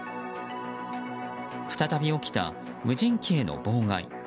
再び起きた無人機への妨害。